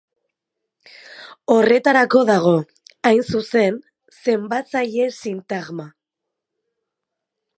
Horretarako dago, hain zuzen, zenbatzaile-sintagma.